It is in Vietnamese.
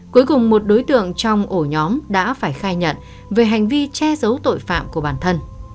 cuối cùng một đối tượng trong ổ nhóm đã phải khai nhận về hành vi che giấu tội phạm của bản thân